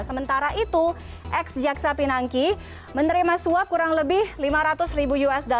sementara itu ex jaksa pinangki menerima suap kurang lebih lima ratus ribu usd